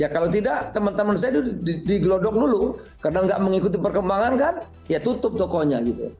kalau tidak teman teman saya digelodok dulu karena nggak mengikuti perkembangan kan ya tutup tokonya gitu